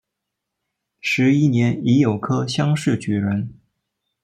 十一年乙酉科乡试举人。